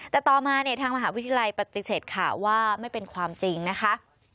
แต่ต่อมาเนี่ยทางมหาวิทยาลัยปฏิเสธข่าวว่าไม่เป็นความจริงนะคะ